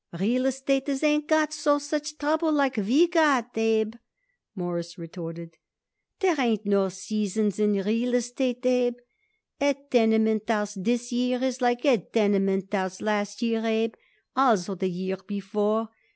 "Real estaters ain't got no such trouble like we got it, Abe," Morris retorted. "There ain't no seasons in real estate, Abe. A tenement house this year is like a tenement house last year, Abe, also the year before.